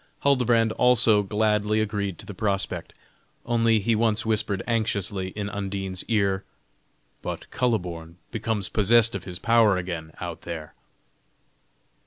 Huldbrand also gladly agreed to the prospect; only he once whispered anxiously in Undine's ear, "But Kuhleborn becomes possessed of his power again out there!"